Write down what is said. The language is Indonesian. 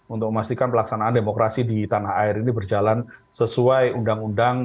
untuk memastikan pelaksanaan demokrasi di tanah air ini berjalan sesuai undang undang